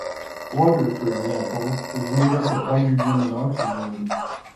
Water, for example, is made up of hydrogen and oxygen.